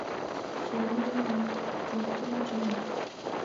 Chorwenyun kekure Joan.